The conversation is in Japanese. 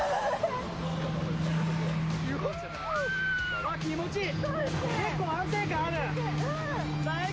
うわ、気持ちいい。